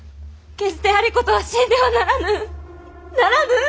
決して有功は死んではならぬならぬ！